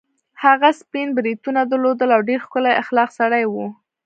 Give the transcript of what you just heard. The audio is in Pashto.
هغه سپین بریتونه درلودل او ډېر ښکلی اخلاقي سړی وو.